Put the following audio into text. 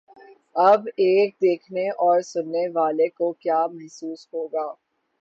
اب ایک دیکھنے اور سننے والے کو کیا محسوس ہو گا؟